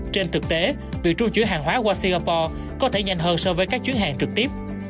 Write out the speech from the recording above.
trên thực tế việc trung chuyển hàng hóa qua singapore có thể nhanh hơn so với các chuyến hàng trực tiếp